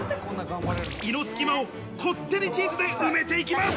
胃の隙間をこってりチーズで埋めていきます。